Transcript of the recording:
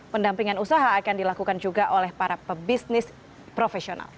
pendampingan usaha akan dilakukan juga oleh para pebisnis profesional